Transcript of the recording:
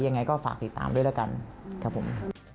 ยังไงก็ฝากติดตามด้วยแล้วกันครับผม